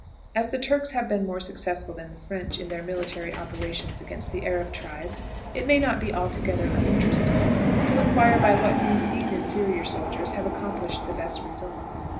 As the Turks have been more successful than the French in their military operations against the Arab tribes, it may not be altogether uninteresting to inquire by what means these inferior soldiers have accomplished the best results.